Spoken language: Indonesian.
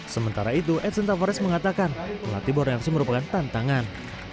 sementara itu edson tavares mengatakan pelatih borneo fc merupakan tantangan